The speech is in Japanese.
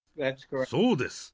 そうです。